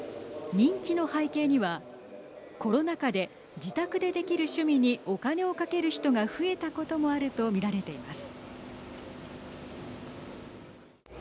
人気の背景にはコロナ禍で自宅でできる趣味にお金をかける人が増えたこともあると見られています。